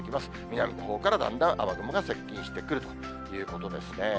南のほうからだんだん雨雲が接近してくるということですね。